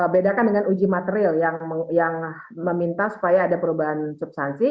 bedakan dengan uji material yang meminta supaya ada perubahan substansi